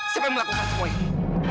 siapa yang melakukan semua ini